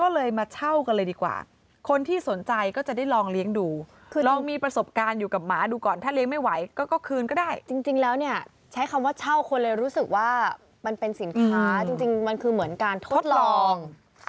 ลองมีประสบการณ์อยู่กับหมาดูก่อนถ้าเลี้ยงไม่ไหวก็คืนก็ได้จริงแล้วเนี่ยใช้คำว่าเช่าคนเลยรู้สึกว่ามันเป็นสินค้าจริงมันคือเหมือนการทดลอง